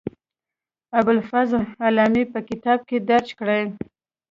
ابوالفضل علامي په کتاب کې درج کړې.